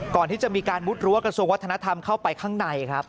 ก่อนที่จะมีการมุดรั้วกระทรวงวัฒนธรรมเข้าไปข้างในครับ